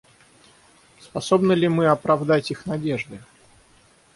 Способны ли мы оправдать их надежды?